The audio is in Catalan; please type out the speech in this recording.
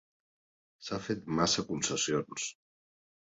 S'han fet massa concessions!